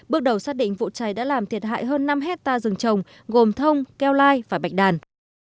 bước đầu xác định vụ cháy đã làm thiệt hại hơn năm hectare rừng trồng gồm thông keo lai và bạch đàn